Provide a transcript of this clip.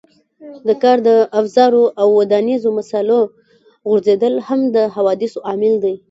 د کار د افزارو او ودانیزو مسالو غورځېدل هم د حوادثو عامل دی.